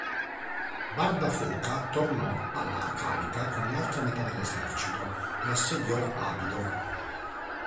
Barda Foca tornò alla carica con l'altra metà dell'esercito, e assediò Abido.